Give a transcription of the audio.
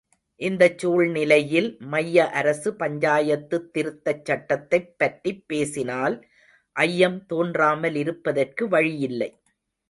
இந்தச் சூழ்நிலையில் மைய அரசு பஞ்சாயத்துத் திருத்தச் சட்டத்தைப் பற்றிப் பேசினால் ஐயம் தோன்றாமலிருப்பதற்கு வழியில்லை.